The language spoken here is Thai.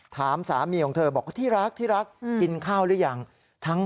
ถามสามีของเธอบอกว่าที่รักที่รักกินข้าวหรือยัง